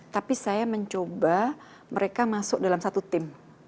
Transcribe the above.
tapi saya mencoba mereka masuk dalam satu tim